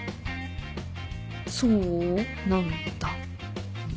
そうなんだ。